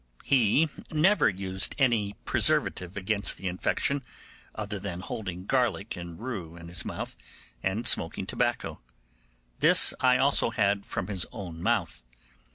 He never used any preservative against the infection, other than holding garlic and rue in his mouth, and smoking tobacco. This I also had from his own mouth.